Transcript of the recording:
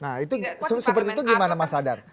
nah itu seperti itu gimana mas adar